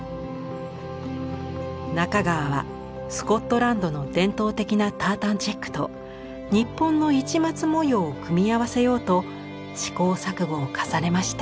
中川はスコットランドの伝統的なタータンチェックと日本の市松模様を組み合わせようと試行錯誤を重ねました。